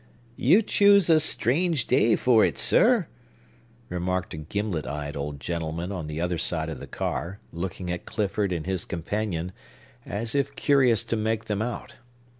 "You choose a strange day for it, sir!" remarked a gimlet eyed old gentleman on the other side of the car, looking at Clifford and his companion, as if curious to make them out.